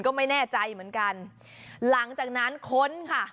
ก็ไม่แน่ใจเหมือนกันหลังจากนั้นค้นค่ะ